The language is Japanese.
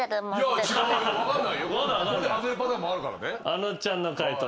あのちゃんの解答